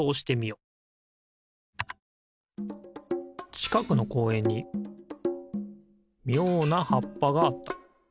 ちかくのこうえんにみょうなはっぱがあった。